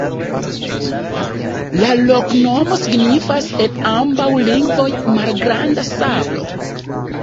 La loknomo signifas en ambaŭ lingvoj: malgranda sablo.